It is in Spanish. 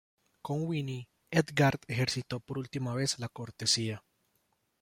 Con Winnie, Edgard ejercitó por última vez la cortesía.